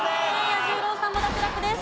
彌十郎さんも脱落です。